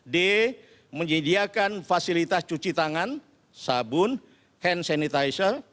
d menyediakan fasilitas cuci tangan sabun hand sanitizer